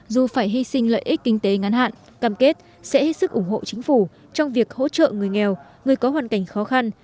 dù phải hy sinh lợi ích kinh tế ngắn hạn cam kết sẽ hết sức ủng hộ chính phủ trong việc hỗ trợ người nghèo người có hoàn cảnh khó khăn